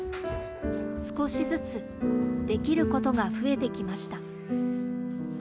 少しずつできることが増えてきました。